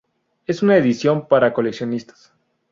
Es una edición para coleccionistas.